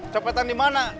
cepetan di mana